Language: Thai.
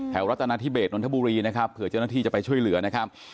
รัฐนาธิเบสนนทบุรีนะครับเผื่อเจ้าหน้าที่จะไปช่วยเหลือนะครับ